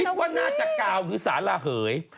คิดว่าน่าจะกาวหรือสาราเหย